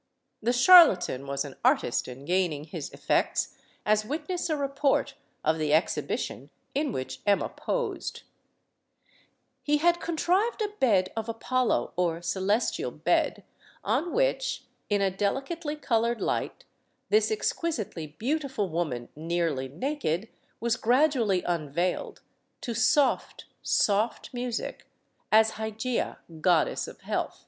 The charlatan was an artist in gaining his effects, as witness a report of the exhibition in which Emma posed; He had contrived a "Bed of Apollo," or "Celestial Bed," on which, in a delicately colored light, this exquisitely beautiful woman, nearly naked, was gradually unveiled, to soft, soft music, as Hygeia, goddess of health.